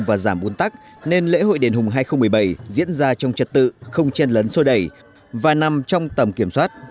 và giảm uốn tắc nên lễ hội đền hùng hai nghìn một mươi bảy diễn ra trong trật tự không chen lấn sô đẩy và nằm trong tầm kiểm soát